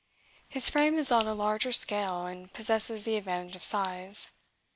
His frame is on a larger scale, and possesses the advantage of size.